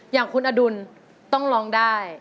อย่างคุณอดุลต้องร้องได้